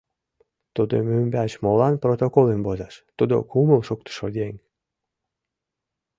Тудын ӱмбач молан протоколым возаш, тудо кумыл шуктышо еҥ.